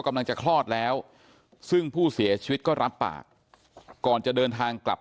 กำลังจะคลอดแล้วซึ่งผู้เสียชีวิตก็รับปากก่อนจะเดินทางกลับ